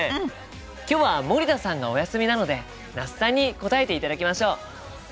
今日は森田さんがお休みなので那須さんに答えていただきましょう。